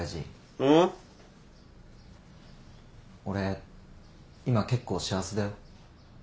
俺今結構幸せだよ。